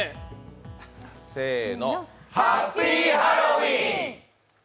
せーの、「ハッピーハロウィン」。